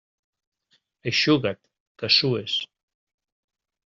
Eixuga't, que sues.